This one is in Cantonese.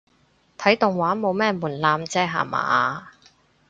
睇動畫冇咩門檻啫吓嘛